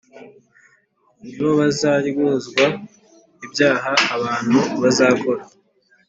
ni bo bazaryozwa ibyaha abantu bazakora